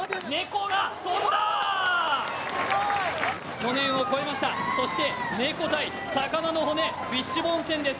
去年を越えました、そして猫対魚の骨、フィッシュボーン戦です。